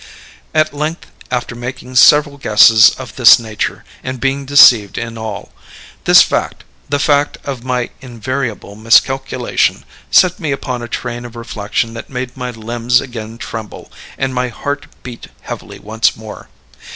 "At length, after making several guesses of this nature, and being deceived in all this fact, the fact of my invariable miscalculation, set me upon a train of reflection that made my limbs again tremble, and my heart beat heavily once more.